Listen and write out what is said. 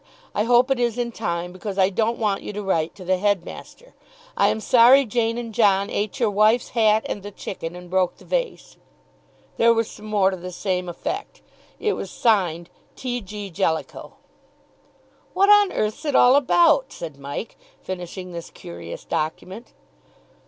I hope it is in time, because I don't want you to write to the headmaster. I am sorry Jane and John ate your wife's hat and the chicken and broke the vase." There was some more to the same effect; it was signed "T. G. Jellicoe." "What on earth's it all about?" said Mike, finishing this curious document.